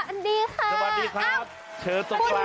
ชันเราบรรทุ่มหน้าตาอาจจะเปลี่ยนไป